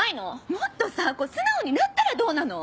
もっとさこう素直になったらどうなの？